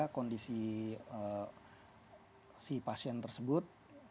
kondisi si pasien tersebut